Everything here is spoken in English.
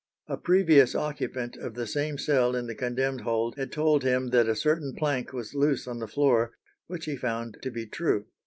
A previous occupant of the same cell in the condemned hold had told him that a certain plank was loose in the floor, which he found to be true.